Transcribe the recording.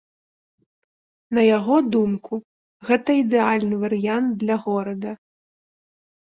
На яго думку, гэта ідэальны варыянт для горада.